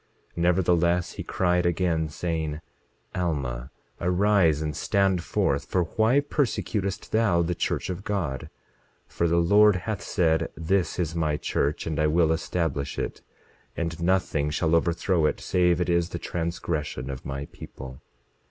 27:13 Nevertheless he cried again, saying: Alma, arise and stand forth, for why persecutest thou the church of God? For the Lord hath said: This is my church, and I will establish it; and nothing shall overthrow it, save it is the transgression of my people.